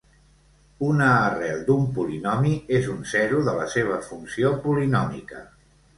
Una arrel d'un polinomi és un zero de la seva funció polinòmica.